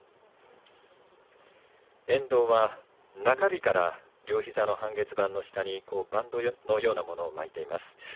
遠藤は中日から両膝の半月板の下にバンドのようなものを巻いています。